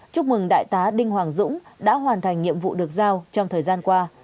chúc mừng đại tá đinh hoàng dũng đã hoàn thành nhiệm vụ được giao trong thời gian qua